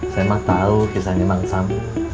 saya mah tau kisahnya bang samin